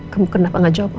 kamu kenapa gak jawab